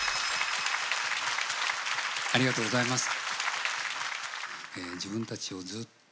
ありがとうございます。